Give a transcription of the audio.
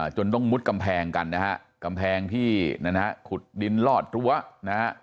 จนต้องมุดกำแพงกันนะครับกำแพงที่ขุดดินลอดรั้วนะ